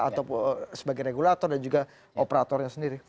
atau sebagai regulator dan juga operatornya sendiri